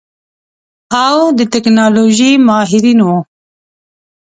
او د ټيکنالوژۍ ماهرين وو.